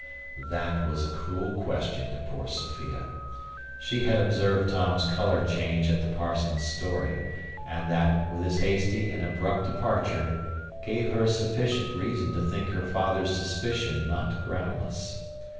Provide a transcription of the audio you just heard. This was a cruel question to poor Sophia. She had observed Tom's colour change at the parson's story; and that, with his hasty and abrupt departure, gave her sufficient reason to think her father's suspicion not groundless.